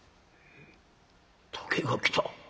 「竹が来た？